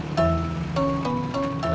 nanti senang ya mas pur